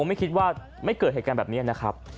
ไม่คิดว่าไม่เกิดเหตุการณ์แบบนี้นะครับ